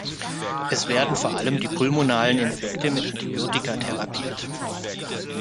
Es werden vor allem die pulmonalen Infekte mit Antibiotika therapiert.